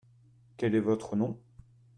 Quel est votre nom ?